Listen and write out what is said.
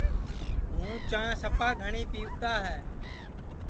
ہوں چاں سپا گھٹؔی پیوتا ہے